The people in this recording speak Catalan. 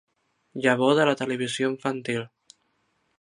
Llavor de la televisió infantil.